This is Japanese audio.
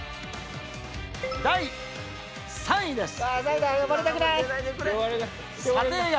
第３位です。